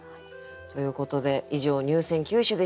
ということで以上入選九首でした。